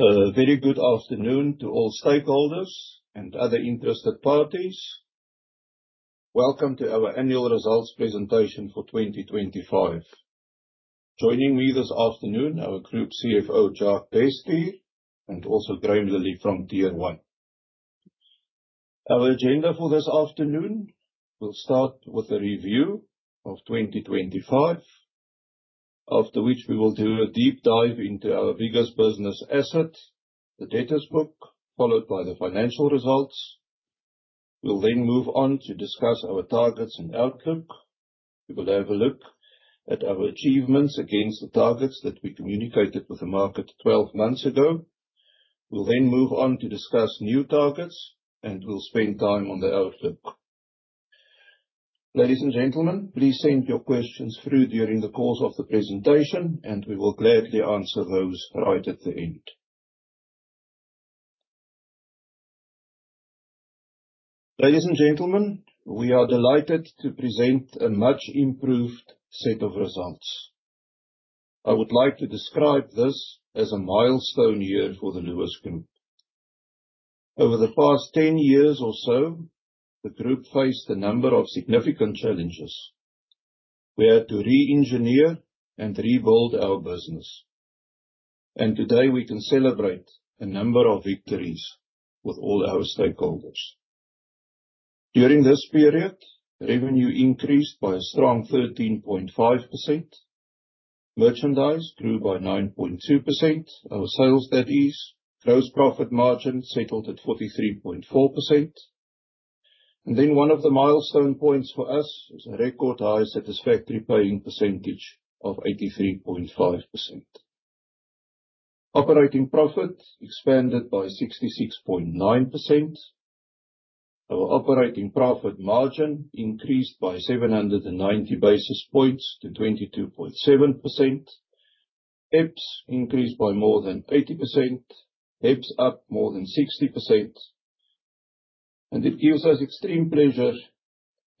A very good afternoon to all stakeholders and other interested parties. Welcome to our annual results presentation for 2025. Joining me this afternoon, our Group CFO, Jacques Bestbier, and also Graham Lillie from Tier One. Our agenda for this afternoon will start with a review of 2025, after which we will do a deep dive into our biggest business asset, the debtor book, followed by the financial results. We will then move on to discuss our targets and outlook. We will have a look at our achievements against the targets that we communicated with the market 12 months ago. We will then move on to discuss new targets, and we will spend time on the outlook. Ladies and gentlemen, please send your questions through during the course of the presentation, and we will gladly answer those right at the end. Ladies and gentlemen, we are delighted to present a much-improved set of results. I would like to describe this as a milestone year for the Lewis Group. Over the past 10 years or so, the Group faced a number of significant challenges. We had to re-engineer and rebuild our business, and today we can celebrate a number of victories with all our stakeholders. During this period, revenue increased by a strong 13.5%, merchandise grew by 9.2%, our sales that is, gross profit margin settled at 43.4%, and then one of the milestone points for us is a record high satisfactory paying percentage of 83.5%. Operating profit expanded by 66.9%, our operating profit margin increased by 790 basis points to 22.7%, EPS increased by more than 80%, EPS up more than 60%, and it gives us extreme pleasure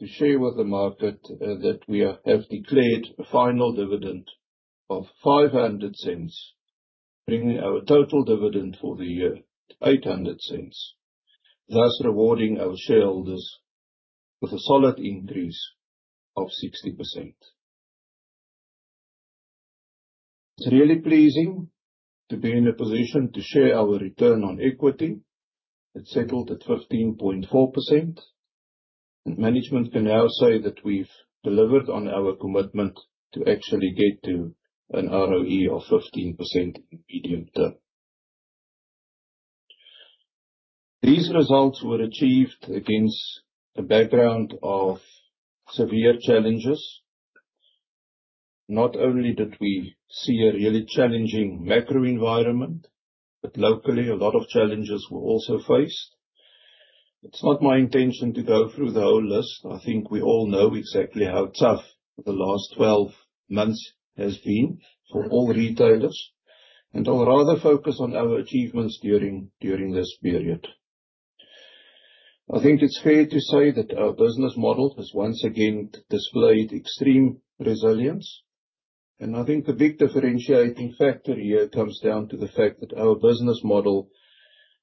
to share with the market that we have declared a final dividend of 5.00, bringing our total dividend for the year to ZAR .8.00, thus rewarding our shareholders with a solid increase of 60%. It's really pleasing to be in a position to share our return on equity. It settled at 15.4%, and management can now say that we've delivered on our commitment to actually get to an ROE of 15% in the medium term. These results were achieved against a background of severe challenges. Not only did we see a really challenging macro environment, but locally, a lot of challenges were also faced. It's not my intention to go through the whole list. I think we all know exactly how tough the last 12 months have been for all retailers, and I'll rather focus on our achievements during this period. I think it's fair to say that our business model has once again displayed extreme resilience, and I think the big differentiating factor here comes down to the fact that our business model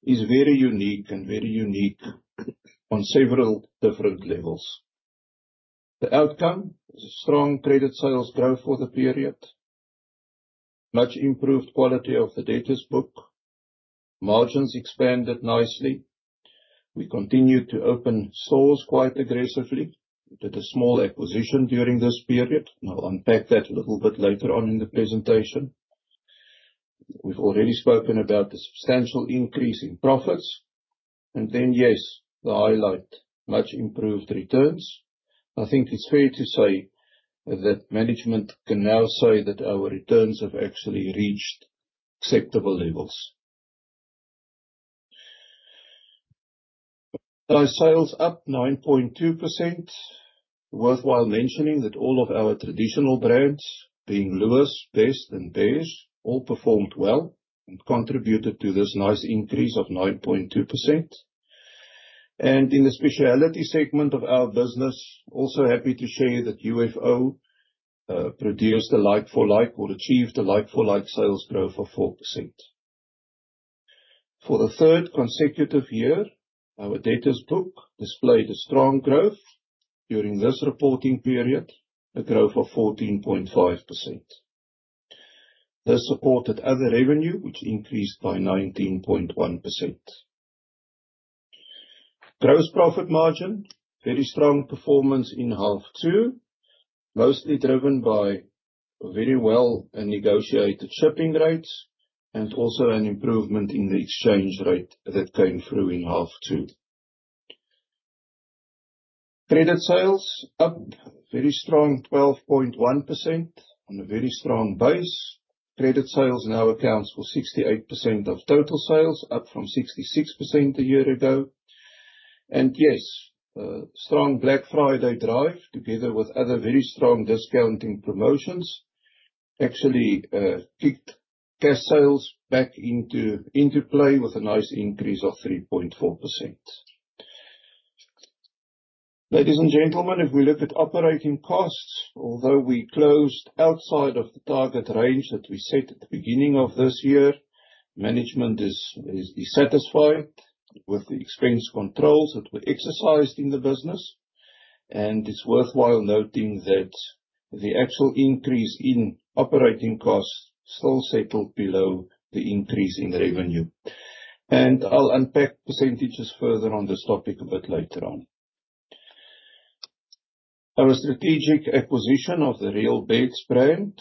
is very unique and very unique on several different levels. The outcome is a strong credit sales growth for the period, much improved quality of the debtors book, margins expanded nicely. We continued to open stores quite aggressively. We did a small acquisition during this period. I'll unpack that a little bit later on in the presentation. We've already spoken about the substantial increase in profits, and then yes, the highlight, much improved returns. I think it's fair to say that management can now say that our returns have actually reached acceptable levels. Our sales up 9.2%. Worthwhile mentioning that all of our traditional brands, being Lewis, Best, and Beares, all performed well and contributed to this nice increase of 9.2%. In the speciality segment of our business, also happy to share that UFO produced a like-for-like or achieved a like-for-like sales growth of 4%. For the third consecutive year, our debtors book displayed a strong growth during this reporting period, a growth of 14.5%. This supported other revenue, which increased by 19.1%. Gross profit margin, very strong performance in half two, mostly driven by very well-negotiated shipping rates and also an improvement in the exchange rate that came through in half two. Credit sales up very strong, 12.1% on a very strong base. Credit sales now accounts for 68% of total sales, up from 66% a year ago. Yes, a strong Black Friday drive, together with other very strong discounting promotions, actually kicked cash sales back into play with a nice increase of 3.4%. Ladies and gentlemen, if we look at operating costs, although we closed outside of the target range that we set at the beginning of this year, management is dissatisfied with the expense controls that were exercised in the business, and it is worthwhile noting that the actual increase in operating costs still settled below the increase in revenue. I will unpack percentages further on this topic a bit later on. Our strategic acquisition of the Real Beds brand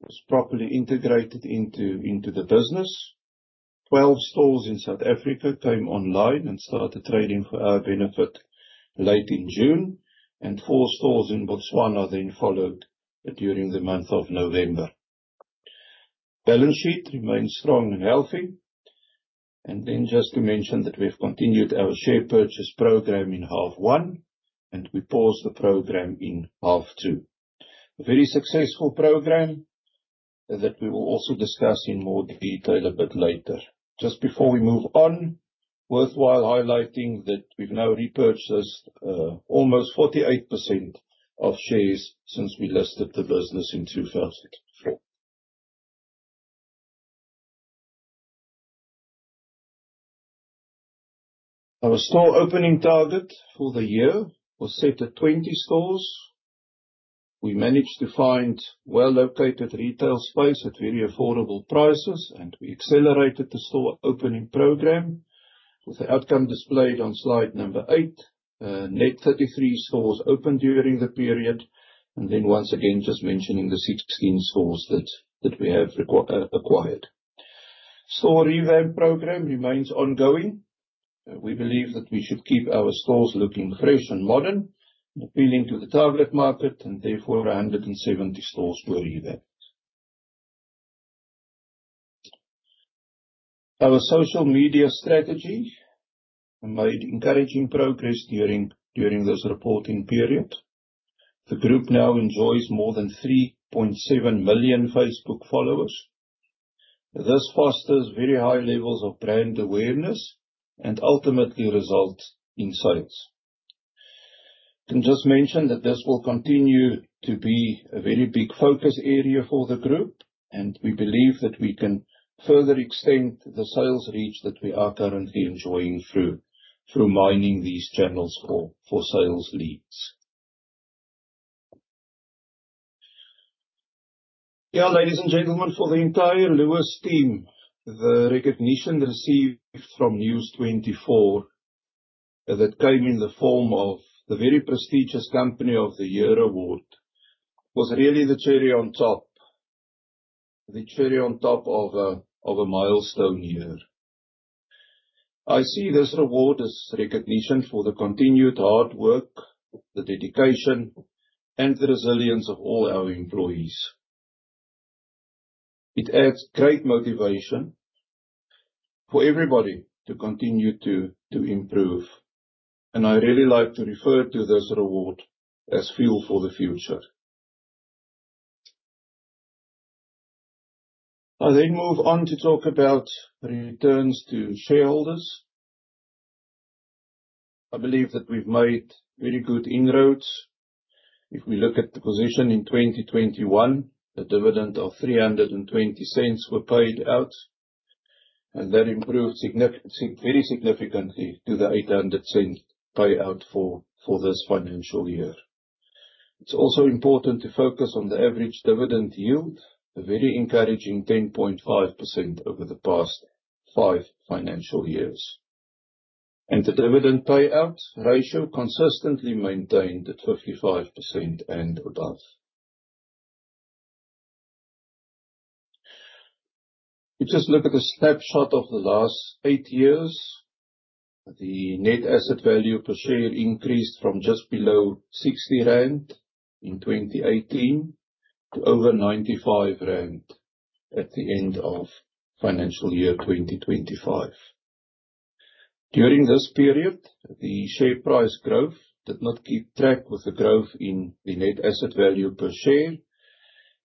was properly integrated into the business. Twelve stores in South Africa came online and started trading for our benefit late in June, and four stores in Botswana then followed during the month of November. The balance sheet remained strong and healthy. Just to mention that we have continued our share purchase program in half one, and we paused the program in half two. A very successful program that we will also discuss in more detail a bit later. Just before we move on, worthwhile highlighting that we have now repurchased almost 48% of shares since we listed the business in 2004. Our store opening target for the year was set at 20 stores. We managed to find well-located retail space at very affordable prices, and we accelerated the store opening program with the outcome displayed on slide number eight. Net 33 stores opened during the period, and then once again, just mentioning the 16 stores that we have acquired. Store revamp program remains ongoing. We believe that we should keep our stores looking fresh and modern, appealing to the target market, and therefore 170 stores were revamped. Our social media strategy made encouraging progress during this reporting period. The Group now enjoys more than 3.7 million Facebook followers. This fosters very high levels of brand awareness and ultimately results in sales. I can just mention that this will continue to be a very big focus area for the Group, and we believe that we can further extend the sales reach that we are currently enjoying through mining these channels for sales leads. Yeah, ladies and gentlemen, for the entire Lewis team, the recognition received from News24 that came in the form of the very prestigious Company of the Year award was really the cherry on top, the cherry on top of a milestone year. I see this award as recognition for the continued hard work, the dedication, and the resilience of all our employees. It adds great motivation for everybody to continue to improve, and I really like to refer to this reward as fuel for the future. I then move on to talk about returns to shareholders. I believe that we've made very good inroads. If we look at the position in 2021, a dividend of 3.20 was paid out, and that improved very significantly to the 8.00 payout for this financial year. It's also important to focus on the average dividend yield, a very encouraging 10.5% over the past five financial years, and the dividend payout ratio consistently maintained at 55% and above. If you just look at a snapshot of the last eight years, the net asset value per share increased from just below 65 rand in 2018 to over 95 rand at the end of financial year 2025. During this period, the share price growth did not keep track with the growth in the net asset value per share.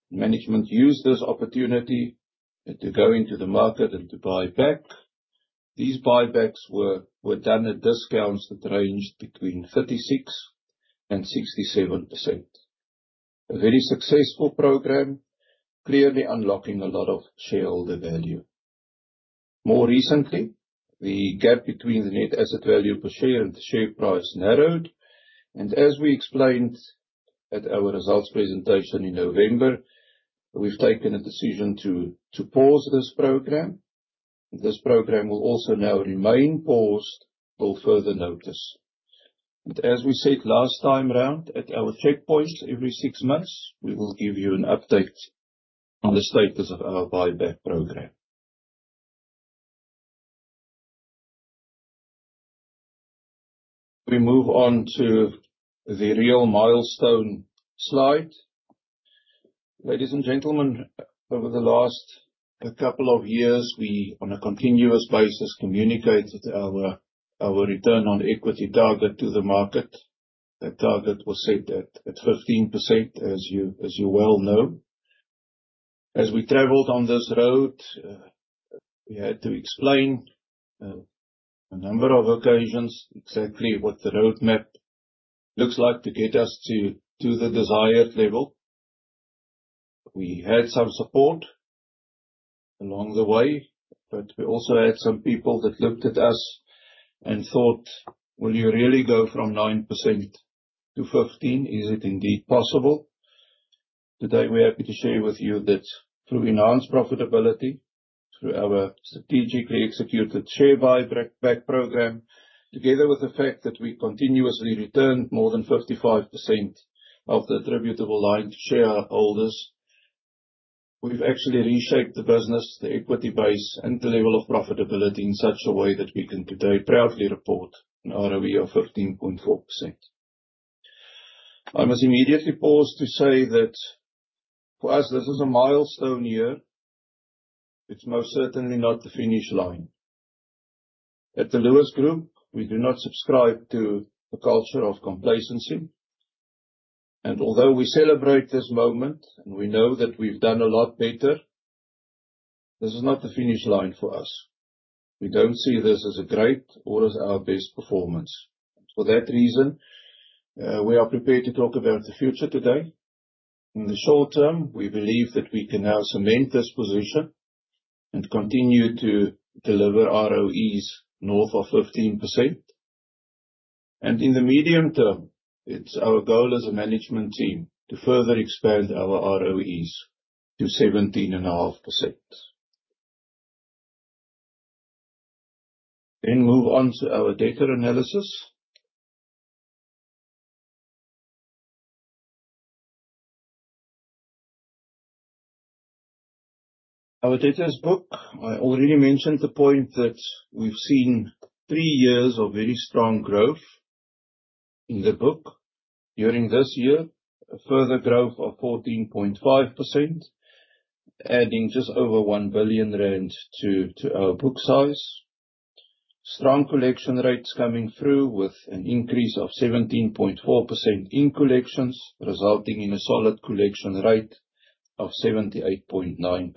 Management used this opportunity to go into the market and to buy back. These buybacks were done at discounts that ranged between 36% and 67%. A very successful program clearly unlocking a lot of shareholder value. More recently, the gap between the net asset value per share and the share price narrowed, and as we explained at our results presentation in November, we have taken a decision to pause this program. This program will also now remain paused until further notice. As we said last time around, at our checkpoints every six months, we will give you an update on the status of our buyback program. We move on to the real milestone slide. Ladies and gentlemen, over the last couple of years, we on a continuous basis communicated our return on equity target to the market. That target was set at 15%, as you well know. As we traveled on this road, we had to explain on a number of occasions exactly what the roadmap looks like to get us to the desired level. We had some support along the way, but we also had some people that looked at us and thought, "Will you really go from 9% to 15%? Is it indeed possible?" Today, we're happy to share with you that through enhanced profitability, through our strategically executed share buyback program, together with the fact that we continuously returned more than 55% of the attributable line to shareholders, we've actually reshaped the business, the equity base, and the level of profitability in such a way that we can today proudly report an ROE of 13.4%. I must immediately pause to say that for us, this is a milestone year. It's most certainly not the finish line. At the Lewis Group, we do not subscribe to the culture of complacency, and although we celebrate this moment and we know that we've done a lot better, this is not the finish line for us. We do not see this as a great or as our best performance. For that reason, we are prepared to talk about the future today. In the short term, we believe that we can now cement this position and continue to deliver ROEs north of 15%. In the medium term, our goal as a management team is to further expand our ROEs to 17.5%. Moving on to our debtor analysis. Our debtors book, I already mentioned the point that we have seen three years of very strong growth in the book. During this year, a further growth of 14.5%, adding just over 1 billion rand to our book size. Strong collection rates coming through with an increase of 17.4% in collections, resulting in a solid collection rate of 78.9%.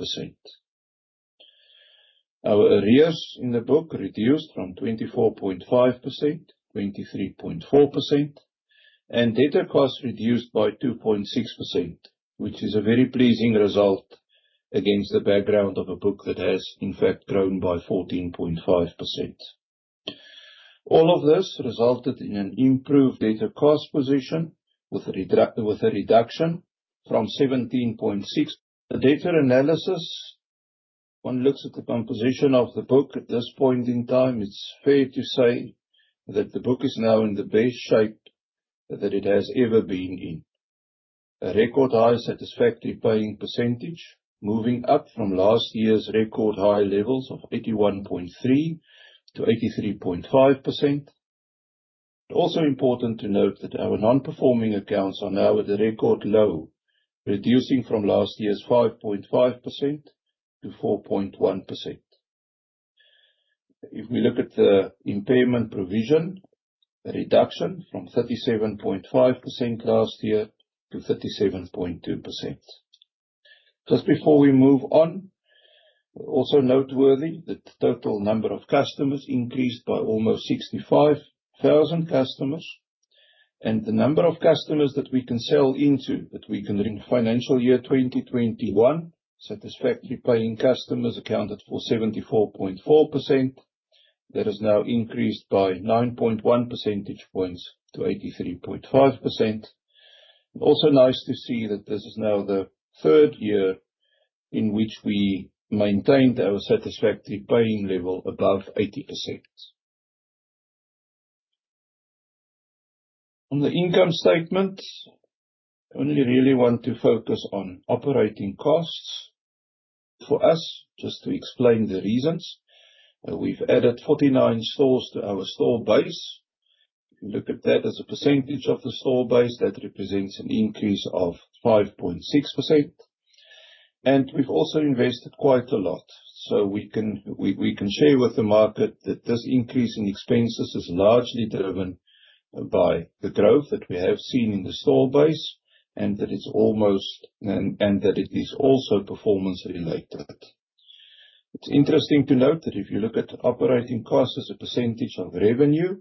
Our arrears in the book reduced from 24.5%-23.4%, and debtor costs reduced by 2.6%, which is a very pleasing result against the background of a book that has, in fact, grown by 14.5%. All of this resulted in an improved debtor cost position with a reduction from 17.6%. The debtor analysis, when looked at the composition of the book at this point in time, it's fair to say that the book is now in the best shape that it has ever been in. A record high satisfactory paying percentage, moving up from last year's record high levels of 81.3% to 83.5%. It's also important to note that our non-performing accounts are now at a record low, reducing from last year's 5.5% to 4.1%. If we look at the impairment provision, a reduction from 37.5% last year to 37.2%. Just before we move on, also noteworthy that the total number of customers increased by almost 65,000 customers, and the number of customers that we can sell into that we can. In financial year 2021, satisfactory paying customers accounted for 74.4%. That has now increased by 9.1 percentage points to 83.5%. Also nice to see that this is now the third year in which we maintained our satisfactory paying level above 80%. On the income statement, I only really want to focus on operating costs. For us, just to explain the reasons, we've added 49 stores to our store base. If you look at that as a percentage of the store base, that represents an increase of 5.6%. We have also invested quite a lot, so we can share with the market that this increase in expenses is largely driven by the growth that we have seen in the store base and that it is also performance related. It is interesting to note that if you look at operating costs as a percentage of revenue,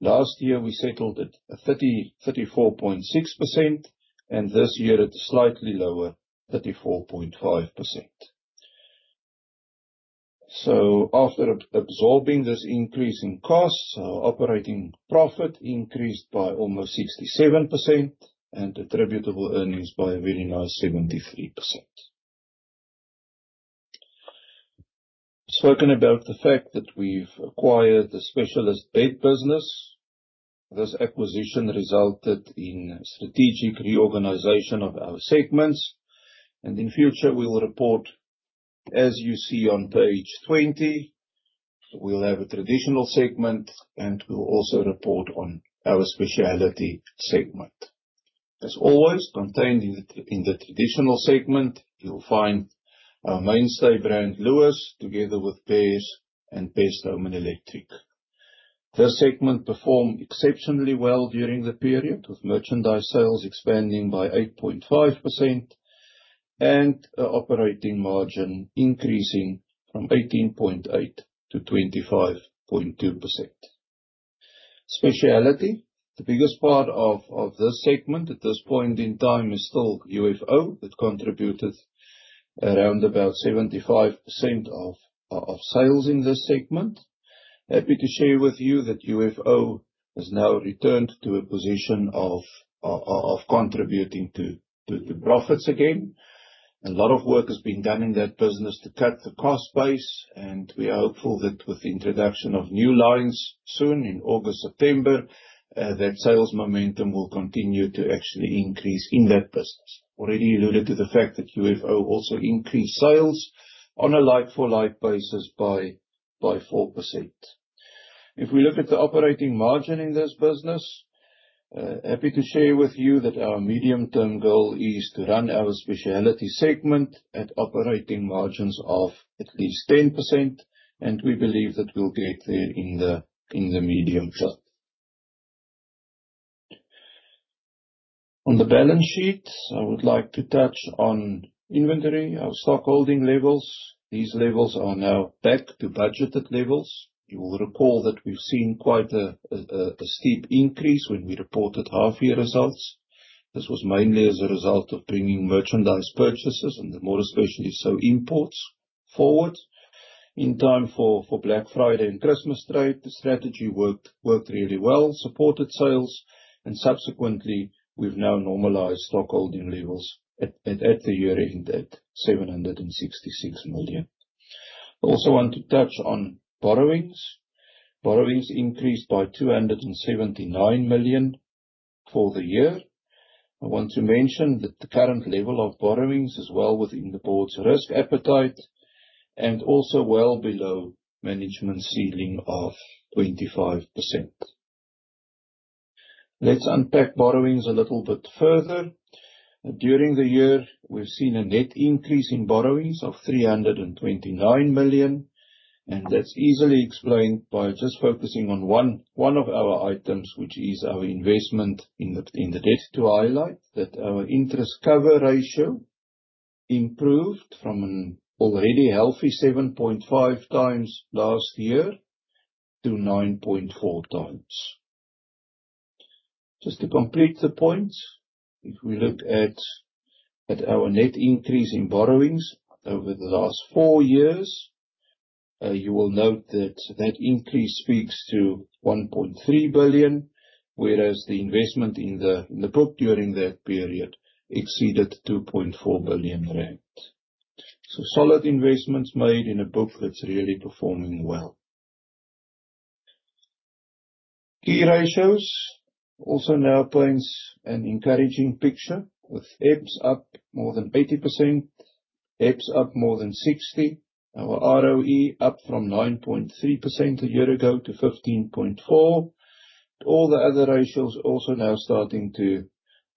last year we settled at 34.6%, and this year it is slightly lower, 34.5%. After absorbing this increase in costs, our operating profit increased by almost 67% and attributable earnings by a very nice 73%. Spoken about the fact that we have acquired the Specialist Bed business, this acquisition resulted in strategic reorganization of our segments, and in future we will report, as you see on page 20, we will have a traditional segment and we will also report on our specialty segment. As always, contained in the traditional segment, you'll find our mainstay brand Lewis together with Beares and Best Home and Electric. This segment performed exceptionally well during the period, with merchandise sales expanding by 8.5% and operating margin increasing from 18.8% to 25.2%. Speciality, the biggest part of this segment at this point in time is still UFO that contributed around about 75% of sales in this segment. Happy to share with you that UFO has now returned to a position of contributing to profits again. A lot of work has been done in that business to cut the cost base, and we are hopeful that with the introduction of new lines soon in August-September, that sales momentum will continue to actually increase in that business. Already alluded to the fact that UFO also increased sales on a like-for-like basis by 4%. If we look at the operating margin in this business, happy to share with you that our medium-term goal is to run our speciality segment at operating margins of at least 10%, and we believe that we'll get there in the medium term. On the balance sheet, I would like to touch on inventory, our stockholding levels. These levels are now back to budgeted levels. You will recall that we've seen quite a steep increase when we reported half-year results. This was mainly as a result of bringing merchandise purchases and the more especially so imports forward. In time for Black Friday and Christmas trade, the strategy worked really well, supported sales, and subsequently we've now normalized stockholding levels at the year-end at 766 million. I also want to touch on borrowings. Borrowings increased by 279 million for the year. I want to mention that the current level of borrowings is well within the board's risk appetite and also well below management's ceiling of 25%. Let's unpack borrowings a little bit further. During the year, we've seen a net increase in borrowings of 329 million, and that's easily explained by just focusing on one of our items, which is our investment in the. To highlight that our interest cover ratio improved from an already healthy 7.5 times last year to 9.4 times. Just to complete the points, if we look at our net increase in borrowings over the last four years, you will note that that increase speaks to 1.3 billion, whereas the investment in the book during that period exceeded 2.4 billion rand. So solid investments made in a book that's really performing well. Key ratios also now paint an encouraging picture with EPS up more than 80%, EPS up more than 60%, our ROE up from 9.3% a year ago to 15.4%. All the other ratios also now starting to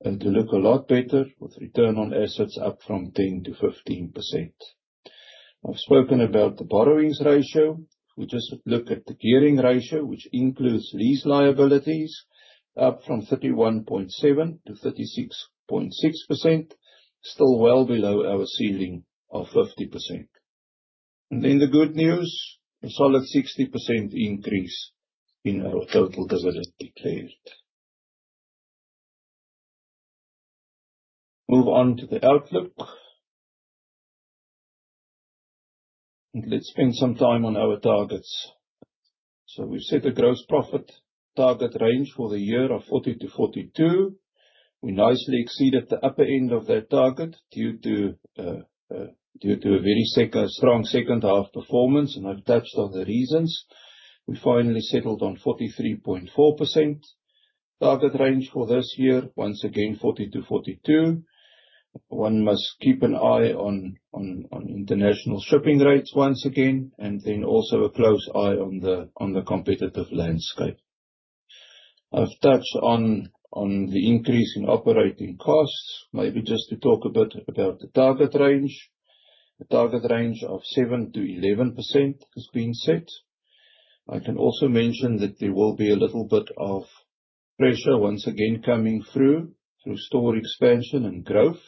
look a lot better with return on assets up from 10% to 15%. I have spoken about the borrowings ratio. We just look at the gearing ratio, which includes lease liabilities, up from 31.7% to 36.6%, still well below our ceiling of 50%. The good news, a solid 60% increase in our total dividend declared. Move on to the outlook. Let's spend some time on our targets. We have set a gross profit target range for the year of 40% to 42%. We nicely exceeded the upper end of that target due to a very strong second half performance, and I have touched on the reasons. We finally settled on 43.4% target range for this year, once again 40% to 42%. One must keep an eye on international shipping rates once again, and then also a close eye on the competitive landscape. I've touched on the increase in operating costs, maybe just to talk a bit about the target range. The target range of 7% to 11% has been set. I can also mention that there will be a little bit of pressure once again coming through store expansion and growth.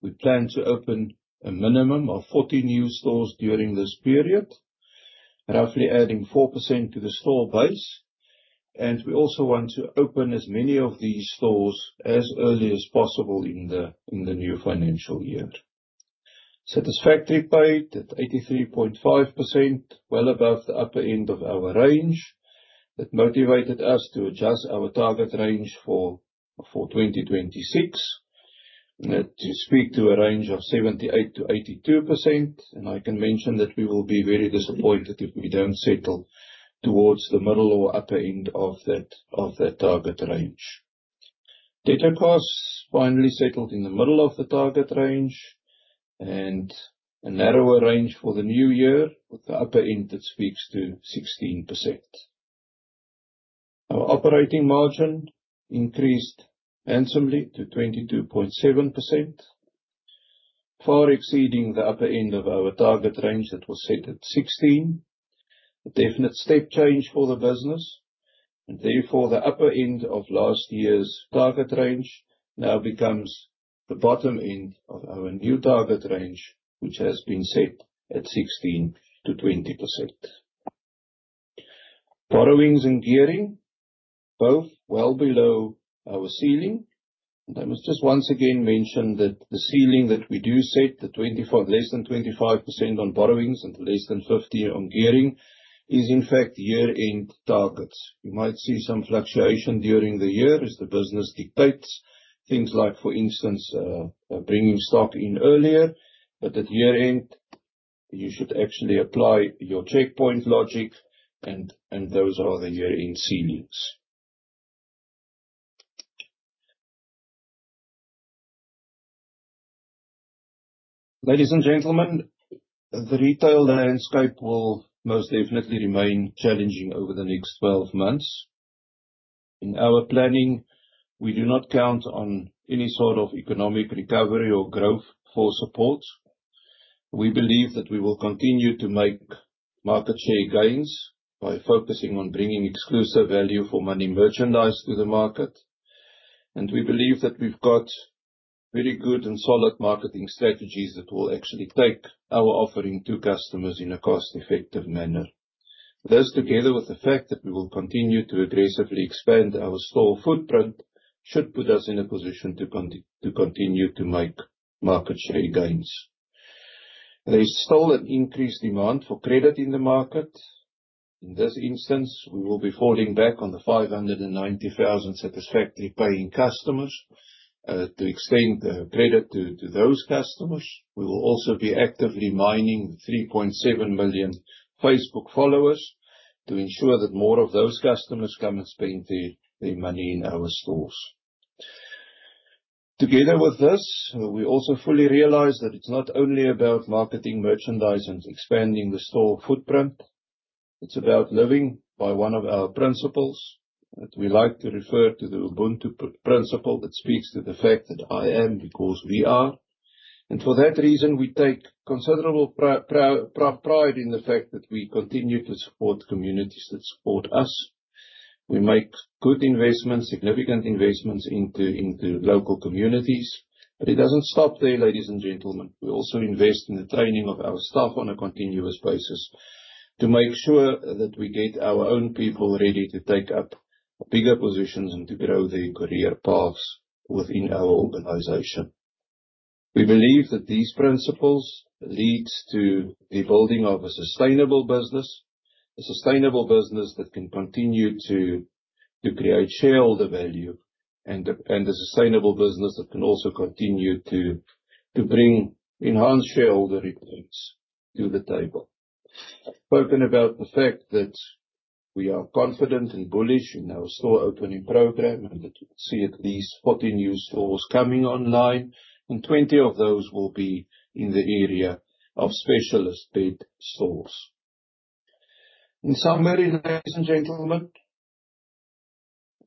We plan to open a minimum of 40 new stores during this period, roughly adding 4% to the store base, and we also want to open as many of these stores as early as possible in the new financial year. Satisfactory paid at 83.5%, well above the upper end of our range. That motivated us to adjust our target range for 2026, and that speaks to a range of 78% to 82%, and I can mention that we will be very disappointed if we do not settle towards the middle or upper end of that target range. Debtor costs finally settled in the middle of the target range and a narrower range for the new year with the upper end that speaks to 16%. Our operating margin increased handsomely to 22.7%, far exceeding the upper end of our target range that was set at 16%. A definite step change for the business, and therefore the upper end of last year's target range now becomes the bottom end of our new target range, which has been set at 16% to 20%. Borrowings and gearing, both well below our ceiling, and I must just once again mention that the ceiling that we do set, the less than 25% on borrowings and the less than 50% on gearing, is in fact year-end targets. You might see some fluctuation during the year as the business dictates, things like, for instance, bringing stock in earlier, but at year-end you should actually apply your checkpoint logic, and those are the year-end ceilings. Ladies and gentlemen, the retail landscape will most definitely remain challenging over the next 12 months. In our planning, we do not count on any sort of economic recovery or growth for support. We believe that we will continue to make market share gains by focusing on bringing exclusive value for money merchandise to the market, and we believe that we've got very good and solid marketing strategies that will actually take our offering to customers in a cost-effective manner. This, together with the fact that we will continue to aggressively expand our store footprint, should put us in a position to continue to make market share gains. There is still an increased demand for credit in the market. In this instance, we will be falling back on the 590,000 satisfactory paying customers to extend the credit to those customers. We will also be actively mining the 3.7 million Facebook followers to ensure that more of those customers come and spend their money in our stores. Together with this, we also fully realize that it is not only about marketing merchandise and expanding the store footprint. It is about living by one of our principles. We like to refer to the Ubuntu principle that speaks to the fact that I am because we are. For that reason, we take considerable pride in the fact that we continue to support communities that support us. We make good investments, significant investments into local communities, but it does not stop there, ladies and gentlemen. We also invest in the training of our staff on a continuous basis to make sure that we get our own people ready to take up bigger positions and to grow their career paths within our organization. We believe that these principles lead to the building of a sustainable business, a sustainable business that can continue to create shareholder value, and a sustainable business that can also continue to bring enhanced shareholder returns to the table. Spoken about the fact that we are confident and bullish in our store opening program and that we'll see at least 40 new stores coming online, and 20 of those will be in the area of Specialist Bed stores. In summary, ladies and gentlemen,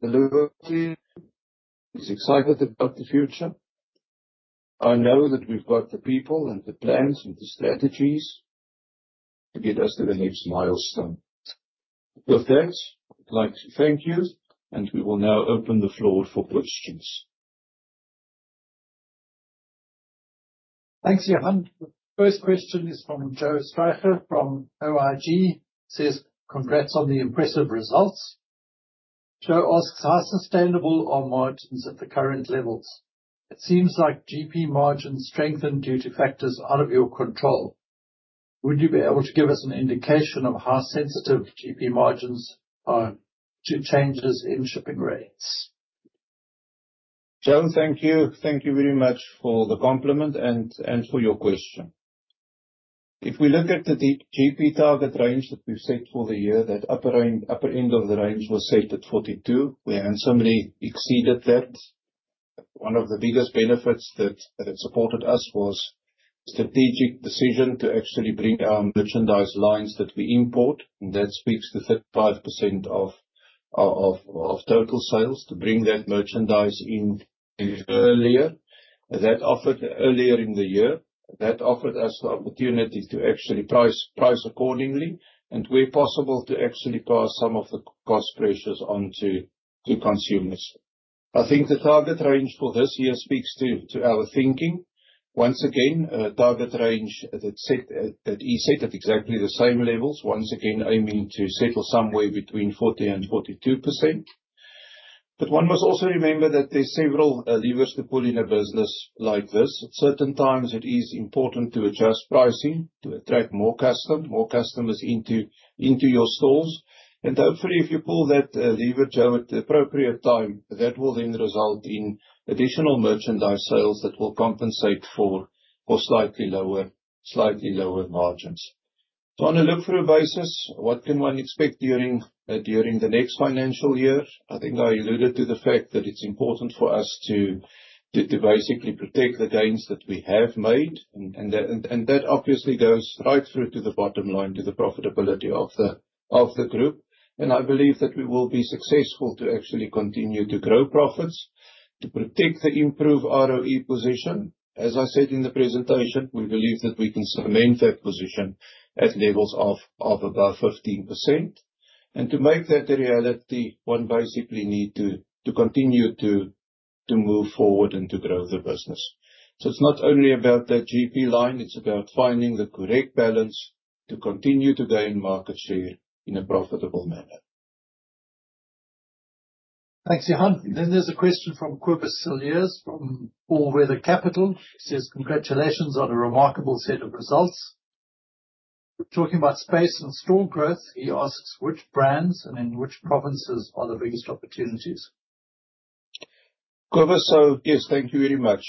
Lewis is excited about the future. I know that we've got the people and the plans and the strategies to get us to the next milestone. With that, I'd like to thank you, and we will now open the floor for questions. Thanks, Johan. First question is from Jo Streicher from OIG. He says, "Congrats on the impressive results." Jo asks, "How sustainable are margins at the current levels? It seems like GP margins strengthen due to factors out of your control. Would you be able to give us an indication of how sensitive GP margins are to changes in shipping rates?" Jo, thank you. Thank you very much for the compliment and for your question. If we look at the GP target range that we have set for the year, that upper end of the range was set at 42%. We handsomely exceeded that. One of the biggest benefits that supported us was a strategic decision to actually bring our merchandise lines that we import, and that speaks to 35% of total sales, to bring that merchandise in earlier. That offered earlier in the year, that offered us the opportunity to actually price accordingly and, where possible, to actually pass some of the cost pressures onto consumers. I think the target range for this year speaks to our thinking. Once again, a target range that he set at exactly the same levels, once again aiming to settle somewhere between 40% and 42%. One must also remember that there are several levers to pull in a business like this. At certain times, it is important to adjust pricing to attract more customers into your stores. Hopefully, if you pull that lever, Jo, at the appropriate time, that will then result in additional merchandise sales that will compensate for slightly lower margins. On a look-through basis, what can one expect during the next financial year? I think I alluded to the fact that it's important for us to basically protect the gains that we have made, and that obviously goes right through to the bottom line, to the profitability of the group. I believe that we will be successful to actually continue to grow profits, to protect the improved ROE position. As I said in the presentation, we believe that we can cement that position at levels of above 15%. To make that a reality, one basically needs to continue to move forward and to grow the business. It's not only about that GP line, it's about finding the correct balance to continue to gain market share in a profitable manner. Thanks, Johan. There's a question from Cobus Cilliers from All Weather Capital. He says, "Congratulations on a remarkable set of results." Talking about space and store growth, he asks, "Which brands and in which provinces are the biggest opportunities?" Cobus, so yes, thank you very much.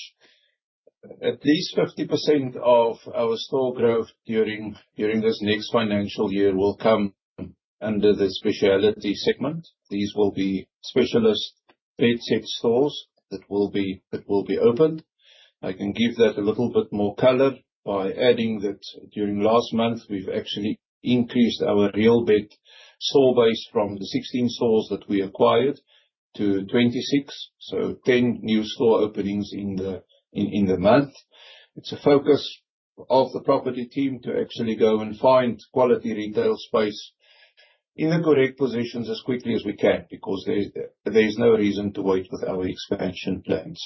At least 50% of our store growth during this next financial year will come under the speciality segment. These will be Specialist Bed set stores that will be opened. I can give that a little bit more color by adding that during last month, we have actually increased our Real Bed store base from the 16 stores that we acquired to 26, so 10 new store openings in the month. It is a focus of the property team to actually go and find quality retail space in the correct positions as quickly as we can because there is no reason to wait with our expansion plans.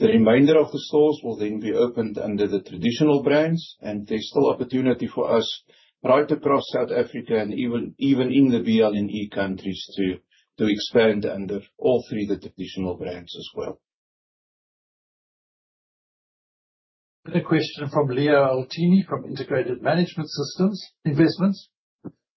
The remainder of the stores will then be opened under the traditional brands, and there's still opportunity for us right across South Africa and even in the BL&E countries to expand under all three of the traditional brands as well. Quick question from Leo Altini from Integrated Management Systems, Investments.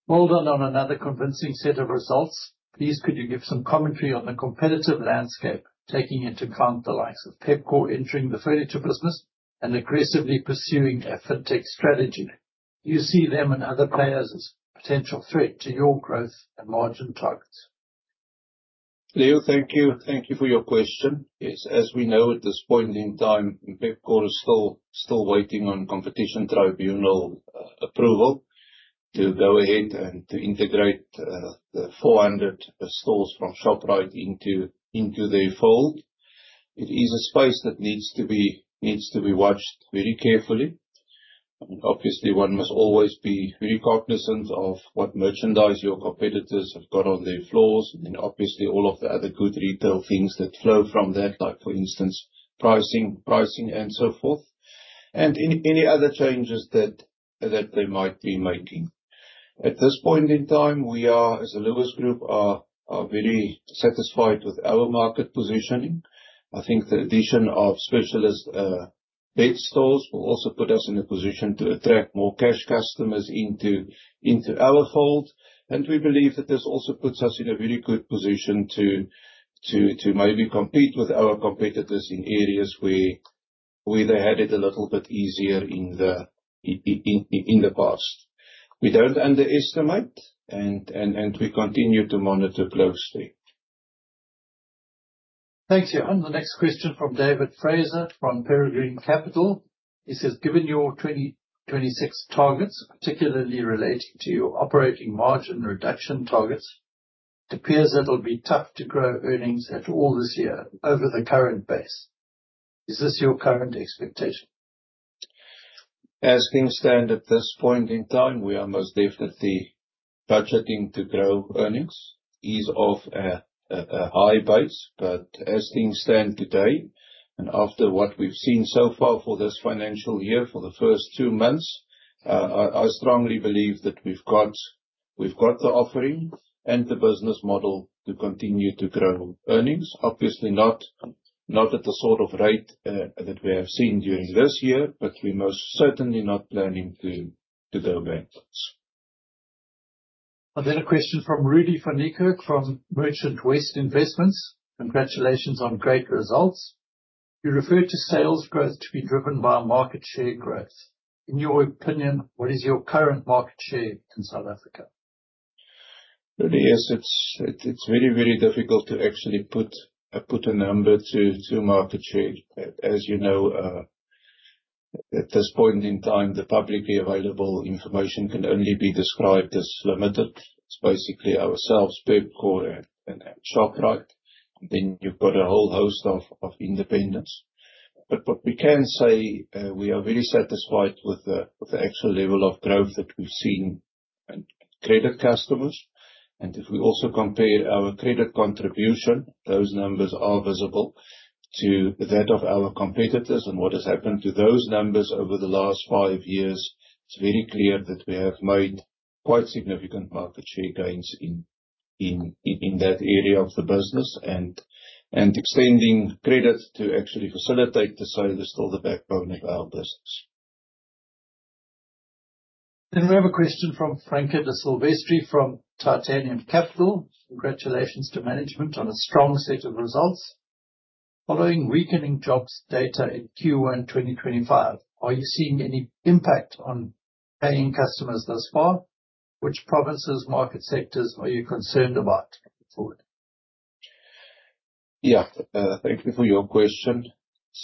Well done on another convincing set of results. Please, could you give some commentary on the competitive landscape, taking into account the likes of Pepco entering the furniture business and aggressively pursuing a fintech strategy? Do you see them and other players as a potential threat to your growth and margin targets? Leo, thank you. Thank you for your question. As we know, at this point in time, Pepco is still waiting on Competition Tribunal approval to go ahead and to integrate the 400 stores from ShopRite into their fold. It is a space that needs to be watched very carefully. Obviously, one must always be very cognizant of what merchandise your competitors have got on their floors, and obviously all of the other good retail things that flow from that, like for instance, pricing and so forth, and any other changes that they might be making. At this point in time, we as a Lewis Group are very satisfied with our market positioning. I think the addition of Specialist Bed stores will also put us in a position to attract more cash customers into our fold, and we believe that this also puts us in a very good position to maybe compete with our competitors in areas where they had it a little bit easier in the past. We do not underestimate, and we continue to monitor closely. Thanks, Johan. The next question from David Fraser from Peregrine Capital. He says, "Given your 2026 targets, particularly relating to your operating margin reduction targets, it appears that it'll be tough to grow earnings at all this year over the current base. Is this your current expectation?" As things stand at this point in time, we are most definitely budgeting to grow earnings. Is off a high base, but as things stand today, and after what we've seen so far for this financial year, for the first two months, I strongly believe that we've got the offering and the business model to continue to grow earnings. Obviously, not at the sort of rate that we have seen during this year, but we're most certainly not planning to go backwards. A question from Rudi van Niekerk from Merchant West Investments. Congratulations on great results. You referred to sales growth to be driven by market share growth. In your opinion, what is your current market share in South Africa? Yes, it's very, very difficult to actually put a number to market share. As you know, at this point in time, the publicly available information can only be described as limited. It's basically ourselves, Pepco, and ShopRite. You have a whole host of independents. What we can say, we are very satisfied with the actual level of growth that we've seen in credit customers. If we also compare our credit contribution, those numbers are visible to that of our competitors. What has happened to those numbers over the last five years, it's very clear that we have made quite significant market share gains in that area of the business, and extending credit to actually facilitate the sale is still the backbone of our business. We have a question from Francois de Silvestri from Titanium Capital. Congratulations to management on a strong set of results. Following weakening jobs data in Q1 2025, are you seeing any impact on paying customers thus far? Which provinces, market sectors are you concerned about? Yeah, thank you for your question.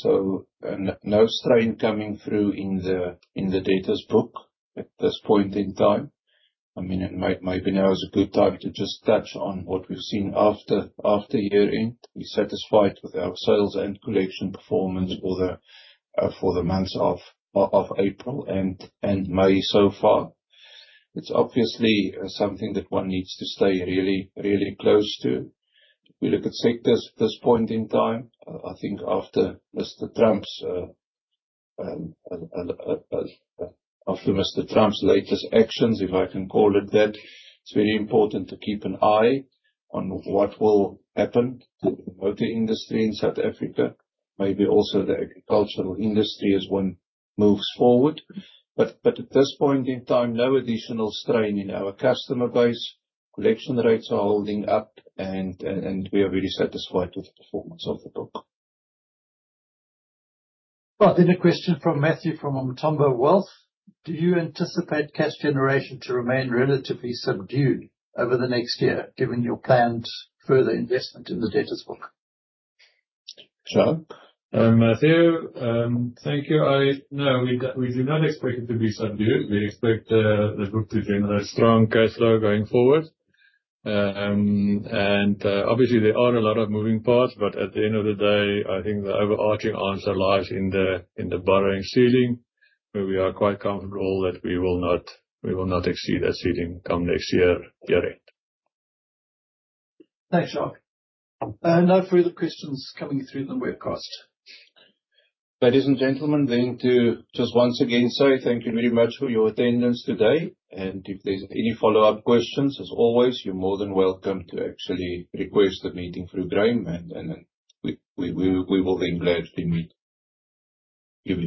No strain coming through in the debtors book at this point in time. I mean, maybe now is a good time to just touch on what we've seen after year-end. We're satisfied with our sales and collection performance for the months of April and May so far. It's obviously something that one needs to stay really close to. If we look at sectors at this point in time, I think after Mr. Trump's latest actions, if I can call it that, it's very important to keep an eye on what will happen to the motor industry in South Africa, maybe also the agricultural industry as one moves forward. At this point in time, no additional strain in our customer base. Collection rates are holding up, and we are very satisfied with the performance of the book. A question from Matthew from Mtombo Wealth. Do you anticipate cash generation to remain relatively subdued over the next year, given your planned further investment in the debtors book? Sure. Matthew, thank you. No, we do not expect it to be subdued. We expect the book to generate strong cash flow going forward. Obviously, there are a lot of moving parts, but at the end of the day, I think the overarching answer lies in the borrowing ceiling, where we are quite comfortable that we will not exceed that ceiling come next year-end. Thanks, Johan. No further questions coming through than we've asked. Ladies and gentlemen, to just once again say thank you very much for your attendance today. If there's any follow-up questions, as always, you're more than welcome to actually request a meeting through Graham, and we will then gladly meet you.